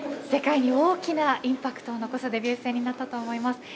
世界に大きなインパクトを残したデビュー戦だったと思います。